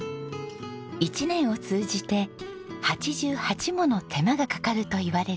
一年を通じて八十八もの手間がかかるといわれる米作り。